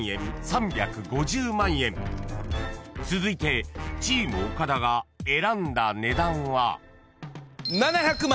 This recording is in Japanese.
［続いてチーム岡田が選んだ値段は］７００万。